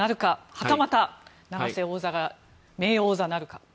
はたまた永瀬王座が名誉王座なるか。